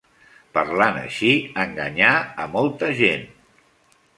Parlant així enganyà a molta gent.